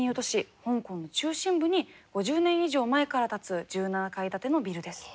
香港の中心部に５０年以上前から立つ１７階建てのビルです。